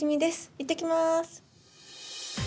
いってきます。